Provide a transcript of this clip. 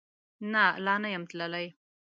نه، لا نه یم تللی